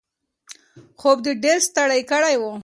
خوب دی ډېر ستړی کړی و.